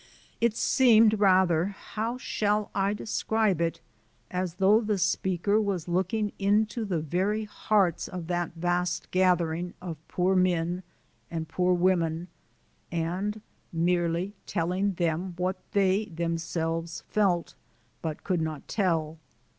It seemed rather how shall I describe it? as though the speaker was looking into the very hearts of that vast gathering of poor men and poor women and merely telling them what they themselves felt, but could not tell.